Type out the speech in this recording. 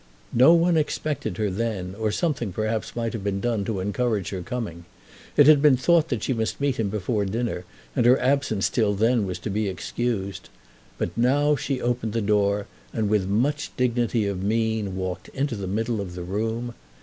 No one expected her then, or something perhaps might have been done to encourage her coming. It had been thought that she must meet him before dinner, and her absence till then was to be excused. But now she opened the door, and with much dignity of mien walked into the middle of the room.